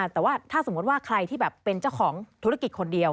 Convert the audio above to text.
แต่ว่าถ้าสมมติว่าใครที่แบบเป็นเจ้าของธุรกิจคนเดียว